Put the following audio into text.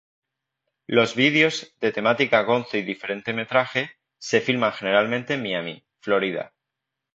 Los vídeos, de temática gonzo y diferente metraje, se filman generalmente en Miami, Florida.